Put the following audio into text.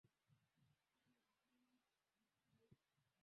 Ujapodharauliwa